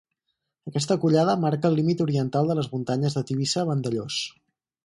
Aquesta collada marca el límit oriental de les Muntanyes de Tivissa-Vandellòs.